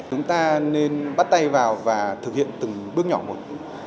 chúng ta nên bắt tay vào và thực hiện từng bước nhỏ một